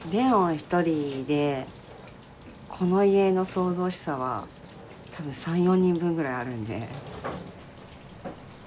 一人でこの家の騒々しさは多分３４人分ぐらいあるんで。